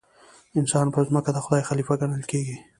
انسان پر ځمکه د خدای خلیفه ګڼل کېږي.